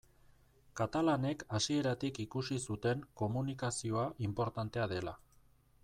Katalanek hasieratik ikusi zuten komunikazioa inportantea dela.